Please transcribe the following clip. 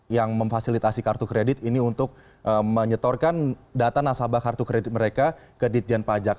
yang memfasilitasi kartu kredit ini untuk menyetorkan data nasabah kartu kredit mereka ke ditjen pajak